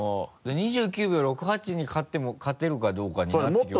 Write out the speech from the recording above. ２９秒６８に勝てるかどうかになってきますよね。